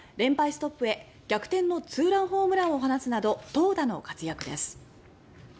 ストップへ逆転のツーランホームランを放つなど投打の活躍です。